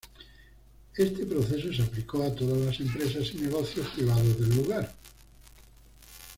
Este proceso se aplicó a todas las empresas y negocios privados del lugar.